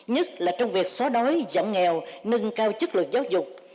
nhất là trong việc xóa đói giảm nghèo nâng cao chức lực giáo dục